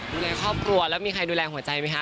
ดูแลครอบครัวแล้วมีใครดูแลหัวใจไหมคะ